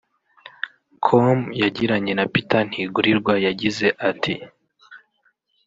com yagiranye na Peter Ntigurirwa yagize ati